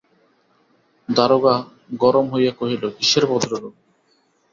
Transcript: দারোগা গরম হইয়া কহিল, কিসের ভদ্রলোক!